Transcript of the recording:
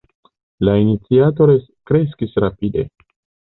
La iniciato kreskis rapide.